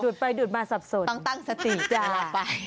ดูดไปดูดมาสับสนต้องตั้งสติเดี๋ยวเราไป